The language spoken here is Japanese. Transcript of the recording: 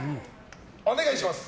お願いします。